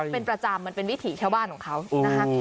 เป็นประจำมันเป็นวิถีชาวบ้านของเขานะคะ